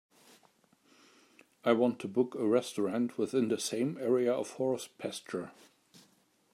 I want to book a restaurant within the same area of Horse Pasture.